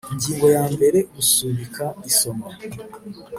Ingingo yambere Gusubika isomwa